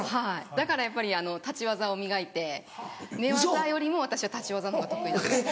だからやっぱり立ち技を磨いて寝技よりも私は立ち技のほうが得意だった。